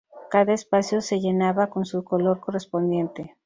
Cada espacio se llenaba con su color correspondiente.